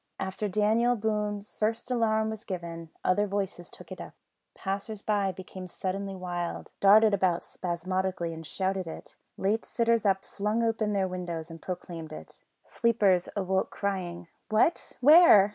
After David Boone's first alarm was given, other voices took it up; passers by became suddenly wild, darted about spasmodically and shouted it; late sitters up flung open their windows and proclaimed it; sleepers awoke crying, "What! where?"